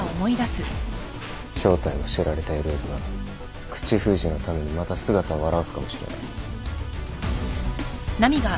正体を知られた ＬＬ が口封じのためにまた姿を現すかもしれない